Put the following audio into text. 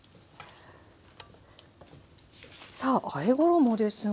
さああえ衣ですが。